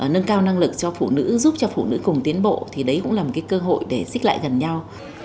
nâng cao năng lực cho phụ nữ giúp cho phụ nữ cùng tiến bộ thì đấy cũng là một cái cơ hội để xích lại gần nhau